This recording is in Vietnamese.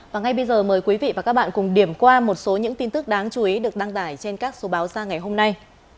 và ngay bây giờ mời quý vị và các bạn cùng điểm qua một số những tin tức đáng chú ý được đăng tải trên các số báo ra ngày hôm nay